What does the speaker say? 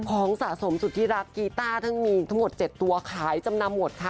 ของสะสมสุดที่รักกีต้าทั้งมีทั้งหมด๗ตัวขายจำนำหมดค่ะ